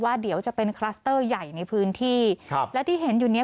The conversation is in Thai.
เดี๋ยวจะเป็นคลัสเตอร์ใหญ่ในพื้นที่ครับและที่เห็นอยู่เนี้ย